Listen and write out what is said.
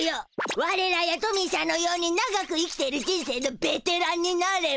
われらやトミーしゃんのように長く生きている人生のベテランになれば。